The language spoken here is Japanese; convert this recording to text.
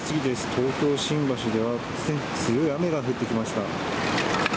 東京・新橋では突然、強い雨が降ってきました。